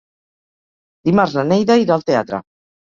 Dimarts na Neida irà al teatre.